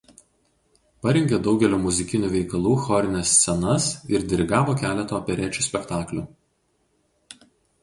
Parengė daugelio muzikinių veikalų chorines scenas ir dirigavo keletą operečių spektaklių.